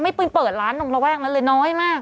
ไม่เปิดร้านตรงระว่างน้อยมาก